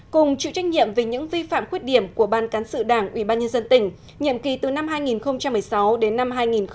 cùng chịu trách nhiệm về những vi phạm khuyết điểm của ban cán sự đảng ủy ban nhân dân tỉnh nhiệm kỳ từ năm hai nghìn một mươi sáu đến năm hai nghìn một mươi tám